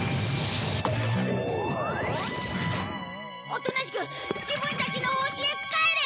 おとなしく自分たちの星へ帰れ！